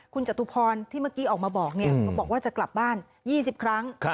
คุณจตุพรที่เมื่อกี้ออกมาบอกว่าจะกลับบ้าน๒๐ครั้ง